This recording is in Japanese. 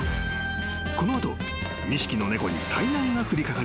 ［この後２匹の猫に災難が降りかかります］